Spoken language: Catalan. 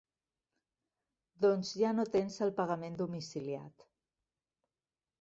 Doncs ja no tens el pagament domiciliat.